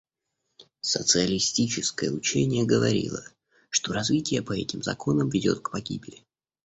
Социалистическое учение говорило, что развитие по этим законам ведет к погибели.